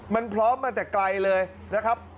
มันพร้อมมาแต่ไกลเลยนะครับ